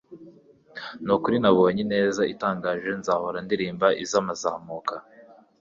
Nukuri naboonye Ineza itangaje Nzahora ndirimba Izamazamuka